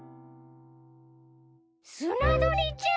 スナドリちゃん！